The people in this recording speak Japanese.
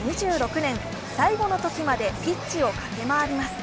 ２６年、最後の時までピッチを駆け回ります。